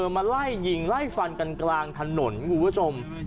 มาไล่หญิงไล่ฟันกลางถนนหูเวชม